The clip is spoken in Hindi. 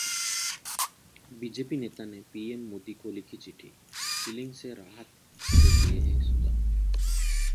बीजेपी नेता ने पीएम मोदी को लिखी चिट्ठी, सीलिंग से राहत के दिए सुझाव